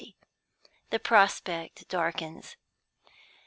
THE PROSPECT DARKENS.